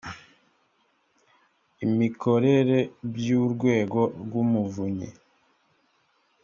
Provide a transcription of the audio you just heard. imikorere by urwego rw umuvunyi